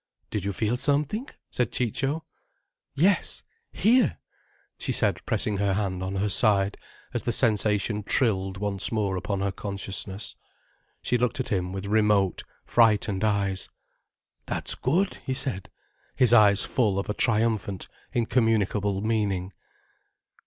"Did you feel something?" said Ciccio. "Yes—here—!" she said, pressing her hand on her side as the sensation trilled once more upon her consciousness. She looked at him with remote, frightened eyes. "That's good—" he said, his eyes full of a triumphant, incommunicable meaning.